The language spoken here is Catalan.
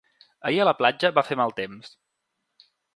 Ahir a la platja va fer mal temps.